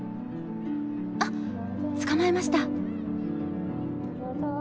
あっ捕まえました。